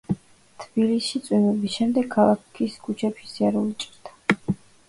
თბილისში წვიმების შემდეგ ქალაქის ქუჩებში სიარული ჭირდა.